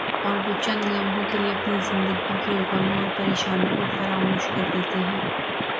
اور وہ چند لمحوں کے لئے اپنی زندگی کے غموں اور پر یشانیوں کو فراموش کر دیتے ہیں ۔